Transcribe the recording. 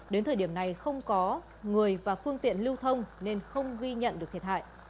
đến thời điểm này không có người và phương tiện lưu thông nên không ghi nhận được thiệt hại